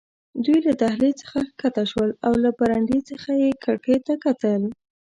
دوی له دهلېز څخه کښته شول او له برنډې څخه یې کړکیو ته کتل.